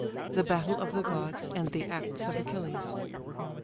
THE BATTLE OF THE GODS, AND THE ACTS OF ACHILLES.